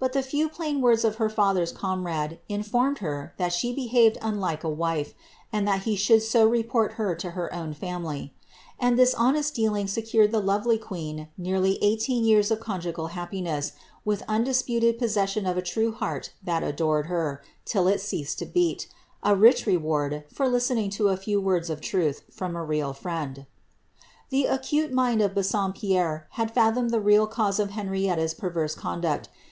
But the words of her fether's comrade informed her that she behaved wife, and that he should so report her to her own family, lonest dealing secured the lovely queen nearly eighteen years al happiness, with undisputed possession of a true heart that r, till it ceased to beat — a rich reward for listening to a few truth from a real friend. Qte mind of Bassompierre had fiithomed the real cause of Hen rverse conduct.